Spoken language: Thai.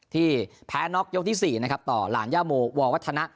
ที่แพ้น็อกยกที่๔นะครับต่อหลานย่าโมวัฒนะ